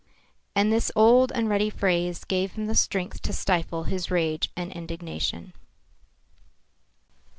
And this old and ready phrase gave him the strength to stifle his rage and indignation.